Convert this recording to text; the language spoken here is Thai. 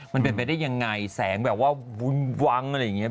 มันเป็นไปได้ยังไงแสงแบบว่าวุ้นวังอะไรอย่างนี้